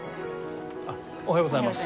おはようございます。